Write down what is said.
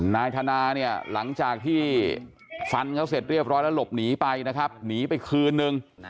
นายธนาเนี่ยหลังจากที่ฟันเขาเสร็จเรียบร้อยแล้วหลบหนีไปนะครับหนีไปคืนนึง